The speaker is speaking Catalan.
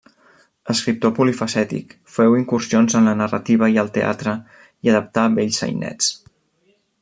Escriptor polifacètic, féu incursions en la narrativa i el teatre i adaptà vells sainets.